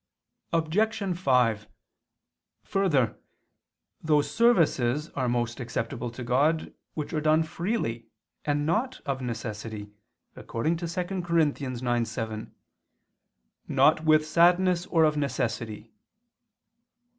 Obj. 5: Further, those services are most acceptable to God which are done freely and not of necessity, according to 2 Cor. 9:7, "Not with sadness or of necessity."